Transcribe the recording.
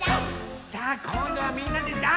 さあこんどはみんなでダンスですよ。